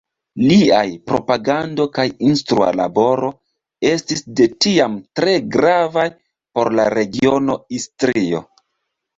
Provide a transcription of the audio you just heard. Liaj propagando kaj instrua laboro estis de tiam tre gravaj por la regiono Istrio.